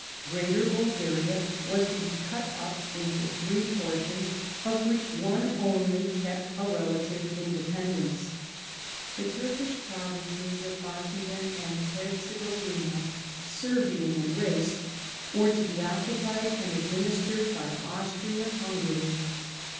Greater Bulgaria was to ^e cut up into three portions, of which one only kept a relative independence ; the Turkish Provinces of Bosnia and Herzegovina, Serbian in 186 The German Empire race, were to be occupied and administered by Austria Hungary.